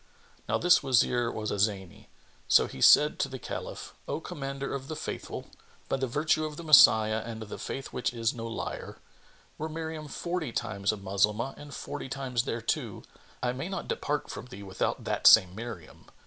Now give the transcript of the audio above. '" Now this Wazir was a Zany: so he said to the Caliph, "O Commander of the Faithful, by the virtue of the Messiah and the Faith which is no liar, were Miriam forty times a Moslemah and forty times thereto, I may not depart from thee without that same Miriam!